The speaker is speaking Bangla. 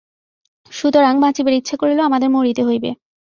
সুতরাং বাঁচিবার ইচ্ছা করিলেও আমাদের মরিতে হইবে।